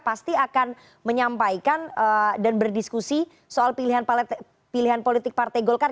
pasti akan menyampaikan dan berdiskusi soal pilihan politik partai golkar